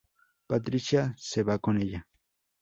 Patricia se va con ella.